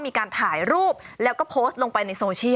มีการถ่ายรูปแล้วก็โพสต์ลงไปในโซเชียล